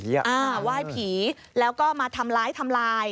ไหว้ผีแล้วก็มาทำร้ายทำลาย